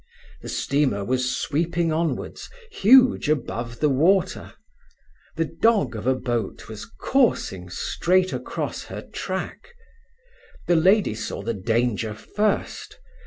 The steamer was sweeping onwards, huge above the water; the dog of a boat was coursing straight across her track. The lady saw the danger first.